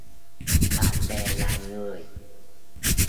Bạn bè là người